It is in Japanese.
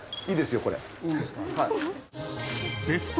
いいですよこれ。